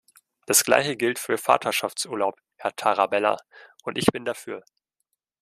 Das Gleiche gilt für Vaterschaftsurlaub, Herr Tarabella, und ich bin dafür.